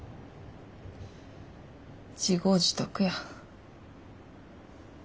自業自得や。